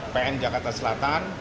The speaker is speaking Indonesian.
pn jakarta selatan